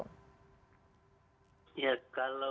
nah bagaimana tuh dengan pemahaman pemahaman seperti itu